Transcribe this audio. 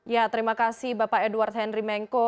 ya terima kasih bapak edward henry mengko